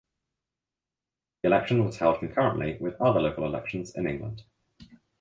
The election was held concurrently with other local elections in England.